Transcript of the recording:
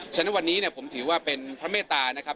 ฉะนั้นวันนี้ผมถือว่าเป็นพระเมตตานะครับ